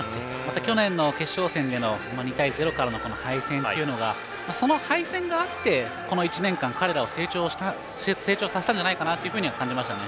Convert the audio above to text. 去年の決勝戦での２対０からの敗戦というのがその敗戦があってこの１年間彼らを成長させたんじゃないかなとは感じましたね。